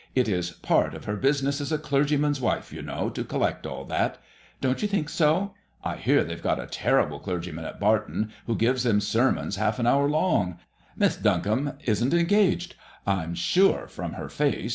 It is part of her business as a clergyman's wife, you know, to collect all that. Don't you think so ? I hear they've got a terrible clergyman at Barton, who gives them ser mons half an hour long. Miss Duncombe isnt't engaged, I'm sure, from her face.